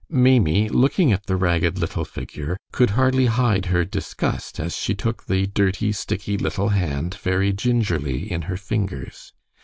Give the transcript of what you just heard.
Maimie, looking at the ragged little figure, could hardly hide her disgust as she took the dirty, sticky little hand very gingerly in her fingers.